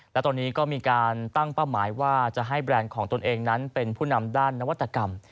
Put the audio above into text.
และตอนนี้ก็มีการตั้งเป้าหมายว่าจะให้แบรนด์ของตนเองนั้นเป็นผู้นำด้านนวัตกรรม